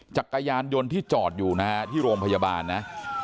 จักรยานยนต์ที่จอดอยู่นะฮะที่โรงพยาบาลนะ